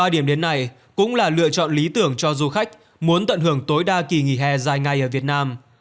ba điểm đến này cũng là lựa chọn lý tưởng cho du khách muốn tận hưởng tối đa kỳ nghỉ hè dài ngày ở việt nam